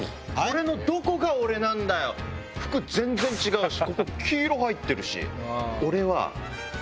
服全然違うし。